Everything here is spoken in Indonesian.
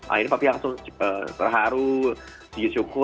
akhirnya papa langsung berharu